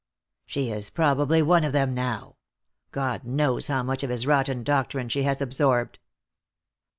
"She is probably one of them now. God knows how much of his rotten doctrine she has absorbed."